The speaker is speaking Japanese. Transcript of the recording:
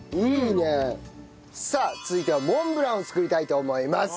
さあ続いてはモンブランを作りたいと思います。